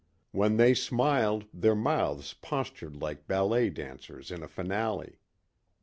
When they smiled their mouths postured like ballet dancers in a finale.